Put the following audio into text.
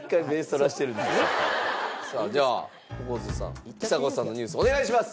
さあじゃあ小公造さんちさ子さんのニュースお願いします！